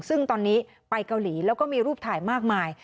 ซึ่งตอนนี้ไปเกาหลีแล้วก็มีรูปถ่ายมากมาย